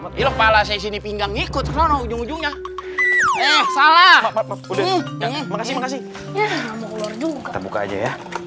kepala saya sini pinggang ngikut ujung ujungnya eh salah makasih makasih kita buka aja ya